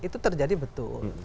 itu terjadi betul